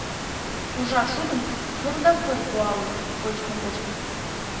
Ужар шудым, фр-р да фр-р пуалын, кочкын коштыт.